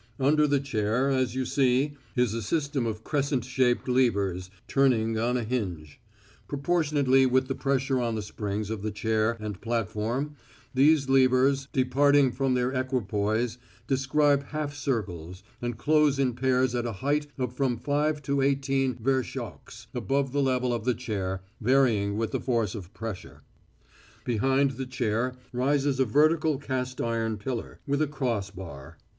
Under the chair, as you see, is a system of crescent shaped levers turning on a hinge. Proportionately with the pressure on the springs of the chair and platform these levers, departing from their equipoise, describe half circles, and close in pairs at a height of from five to eighteen vershoks above the level of the chair varying with the force of pressure. A vershok is 1/16 of an arshin, i.e., 1¾ inches. "Behind the chair rises a vertical cast iron pillar, with a cross bar.